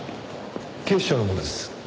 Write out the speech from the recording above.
警視庁の者です。